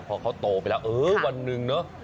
พอเขาโตไปแล้วเออวันหนึ่งเนอะ